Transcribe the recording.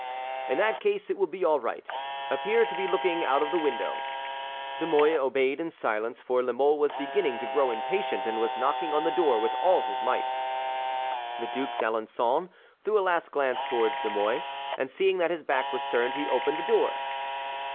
"In that case it will be all right. Appear to be looking out of the window." De Mouy obeyed in silence, for La Mole was beginning to grow impatient, and was knocking on the door with all his might. The Duc d'Alençon threw a last glance towards De Mouy, and seeing that his back was turned, he opened the door.